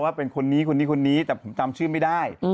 ว่าเป็นคนนี้คนนี้คนนี้แต่ผมจำชื่อไม่ได้